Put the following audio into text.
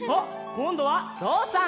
こんどはぞうさん！